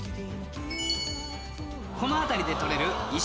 この辺りで採れる。